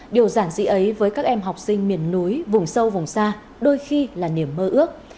điều giản dị ấy với các em học sinh miền núi vùng sâu vùng xa đôi khi là niềm mơ ước